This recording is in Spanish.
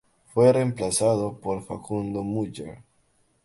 Fue reemplazado por Facundo Müller.